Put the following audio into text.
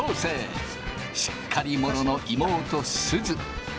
しっかり者の妹すず。